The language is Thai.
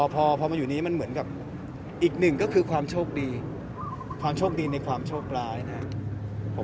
พอมาอยู่นี้มันเหมือนกับอีกหนึ่งก็คือความโชคดีความโชคดีในความโชคร้ายนะครับ